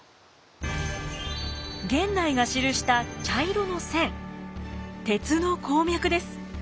源内が記した茶色の線鉄の鉱脈です。